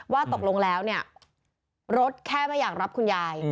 ว่าตกลงแล้วเนี่ยรถแค่ไม่อยากรับคุณยาย